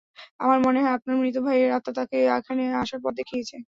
আমার মনে হয় আপনার মৃত ভাইয়ের আত্মা তাকে এখানে আসার পথ দেখিয়েছে।